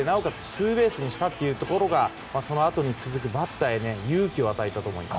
ツーベースにしたというところがそのあとに続くバッターに勇気を与えたと思います。